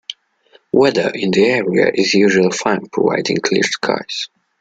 Weather in the area is usually fine providing clear skies.